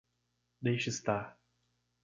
Deixe estar.